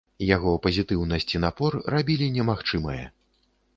Яго пазітыўнасць і напор рабілі немагчымае.